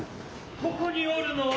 「此処におるのは」。